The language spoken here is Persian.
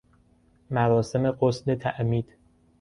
مراسم غسل تعمید